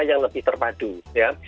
yang lebih terpadu ya